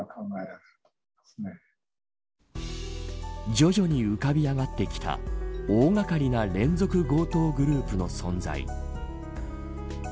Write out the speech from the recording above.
徐々に浮かび上がってきた大掛かりな連続強盗グループの存在。